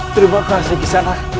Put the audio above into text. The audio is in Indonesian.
terima kasih kisana